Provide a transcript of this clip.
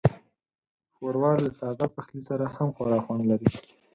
ښوروا له ساده پخلي سره هم خورا خوند لري.